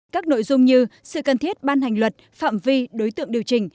các nội dung như sự cần thiết ban hành luật phạm vi đối tượng điều chỉnh